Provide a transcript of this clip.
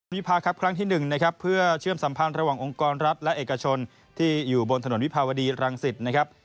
วิพาครับครั้งที่๑นะครับเพื่อเชื่อมสัมพันธ์ระหว่างองค์กรรัฐและเอกชนที่อยู่บนถนนวิภาวดีรังสิตนะครับ